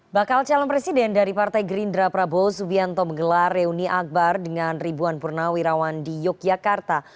bakal calon presiden dari partai gerindra prabowo subianto menggelar reuni akbar dengan ribuan purnawirawan di yogyakarta